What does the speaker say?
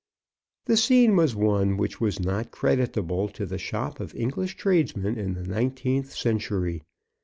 The scene was one which was not creditable to the shop of English tradesmen in the nineteenth century.